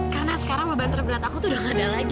karena sekarang beban terberat aku tuh udah gak ada lagi